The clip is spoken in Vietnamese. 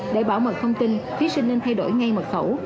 để bảo mật thông tin thí sinh nên thay đổi ngay mật khẩu